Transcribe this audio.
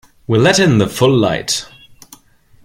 We'll let in the full light.